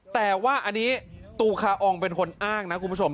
แต่ว่าอันนี้ตูคาอองเป็นคนอ้างนะคุณผู้ชม